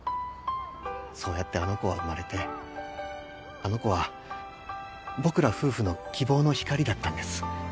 そうやってあの子は生まれてあの子は僕ら夫婦の希望の光だったんです。